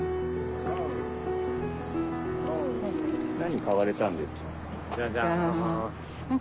何買われたんですか？